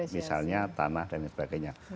misalnya tanah dan sebagainya